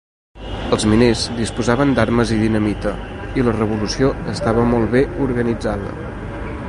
Els miners disposaven d'armes i dinamita, i la revolució estava molt bé organitzada.